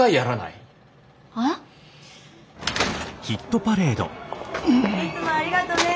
いつもありがとね。